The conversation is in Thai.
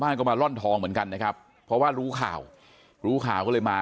ก็มาร่อนทองเหมือนกันนะครับเพราะว่ารู้ข่าวรู้ข่าวก็เลยมา